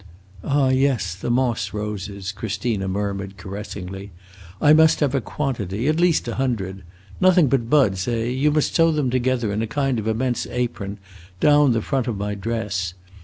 "Ah, yes, the moss roses!" Christina murmured, caressingly. "I must have a quantity at least a hundred. Nothing but buds, eh? You must sew them in a kind of immense apron, down the front of my dress.